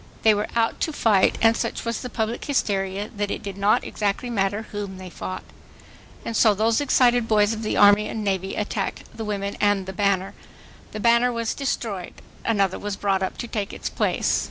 They were out to fight and such was the public hysteria that it did not exactly matter whom they fought. And so those excited boys of the Army and Navy attacked the women and the banner. The banner was destroyed. Another was brought up to take its place.